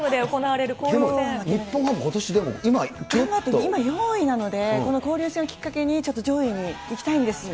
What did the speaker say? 日本ハム、ことしでも、今４位なので、この交流戦をきっかけにちょっと上位にいきたいんです。ね。